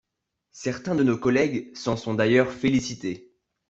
Certains de nos collègues s’en sont d’ailleurs félicités.